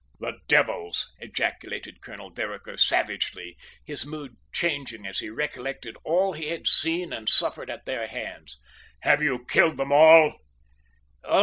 "The devils!" ejaculated Colonel Vereker savagely, his mood changing as he recollected all he had seen and suffered at their hands. "Have you killed them all?"